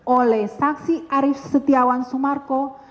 oleh saksi arief setiawan sumarko